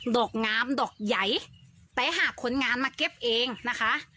ดอกงามดอกใหญ่แต่หากคนงานมาเก็บเองนะคะ